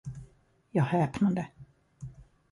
Jag häpnade.